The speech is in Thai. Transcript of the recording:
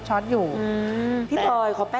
ตื่นขึ้นมาอีกทีตอน๑๐โมงเช้า